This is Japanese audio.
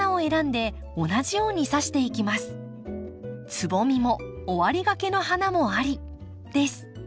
つぼみも終わりがけの花もありです。